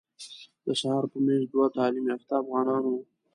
د سهار په میز دوه تعلیم یافته افغانان وو.